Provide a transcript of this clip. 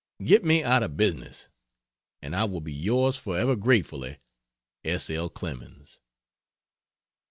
Get me out of business! And I will be yours forever gratefully, S. L. CLEMENS.